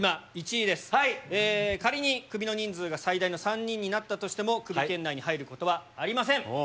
仮にクビの人数が最大の３人になったとしてもクビ圏内に入ることはありません。